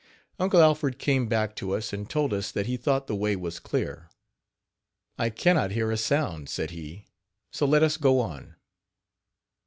Uncle Alfred came back to us and told us that he thought the way was clear. "I can not hear a sound," said he, "so let us go on.